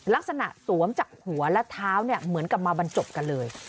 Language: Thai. สวมจากหัวและเท้าเนี่ยเหมือนกับมาบรรจบกันเลย